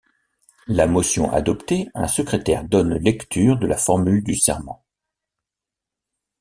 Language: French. La motion adoptée, un secrétaire donne lecture de la formule du serment.